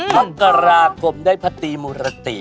มกราคมได้พระตีมุรติ